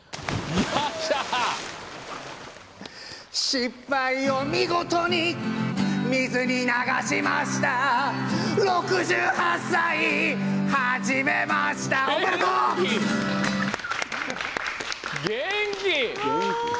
「失敗を見事に水に流しました」元気！